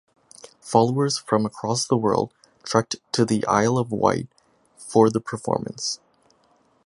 Followers from across the world trekked to the Isle of Wight for the performance.